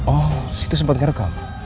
oh situ sempat ngerekam